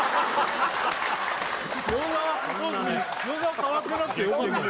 餃子は変わってなくてよかったです